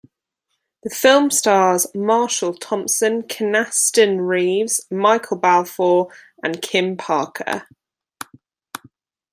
The film stars Marshall Thompson, Kynaston Reeves, Michael Balfour and Kim Parker.